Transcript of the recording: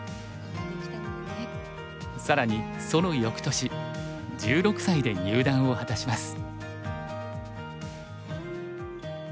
更にその翌年１６歳で入段を果たします。